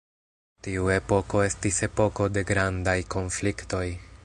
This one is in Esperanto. Tiu epoko estis epoko de grandaj konfliktoj.